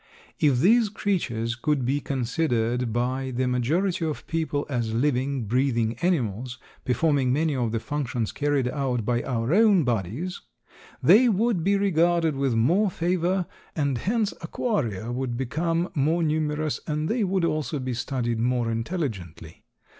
If these creatures could be considered by the majority of people as living, breathing animals, performing many of the functions carried on by our own bodies they would be regarded with more favor and hence aquaria would become more numerous and they would also be studied more intelligently.